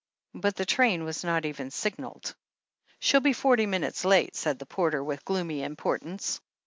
But the train was not even signalled. "She'll be forty minutes late," said the porter with gloomy importance.